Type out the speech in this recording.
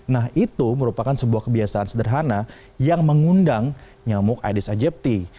nah itu merupakan sebuah kebiasaan sederhana yang mengundang nyamuk aedes aegypti